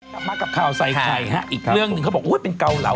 กลับมากับข่าวใส่ไข่ฮะอีกเรื่องหนึ่งเขาบอกอุ้ยเป็นเกาเหลา